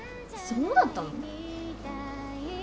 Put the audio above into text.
・そうだったの？